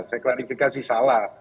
saya klarifikasi salah